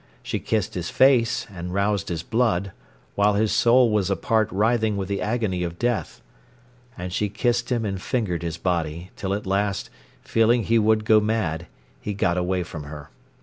She kissed his face, and roused his blood, while his soul was apart writhing with the agony of death. And she kissed him and fingered his body, till at last, feeling he would go mad, he got away from her.